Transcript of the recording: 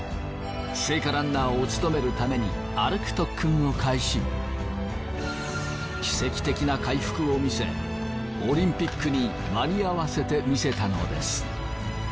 聖火ランナーを務めるために奇跡的な回復を見せオリンピックに間に合わせてみせたのです。